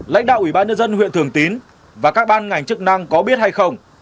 lãnh đạo ủy ban nhân dân huyện thường tín và các ban ngành chức năng có biết hay không